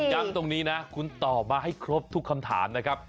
ย้ำตรงนี้นะคุณตอบมาให้ครบทุกคำถามนะครับ